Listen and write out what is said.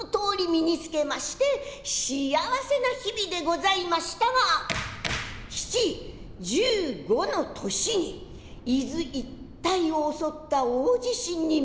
身につけまして幸せな日々でございましたがきち１５の年に伊豆一帯を襲った大地震に見舞われました。